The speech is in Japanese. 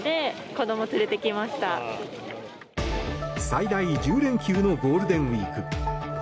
最大１０連休のゴールデンウィーク。